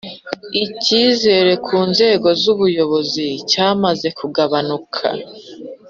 icyizere ku nzego z’ ubuyobozi cyamaze kugabanuka